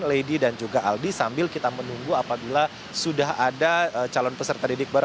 lady dan juga aldi sambil kita menunggu apabila sudah ada calon peserta didik baru